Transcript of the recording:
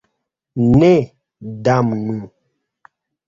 Ne, damnu.